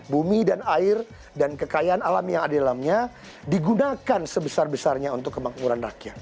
bumi dan air dan kekayaan alam yang ada dalamnya digunakan sebesar besarnya untuk kemangkuran rakyat